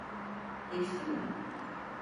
Geçti mi?